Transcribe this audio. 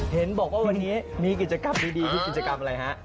เห็นบอกว่าวันนี้มีกิจกรรมดีคือกิจกรรมอะไรฮะ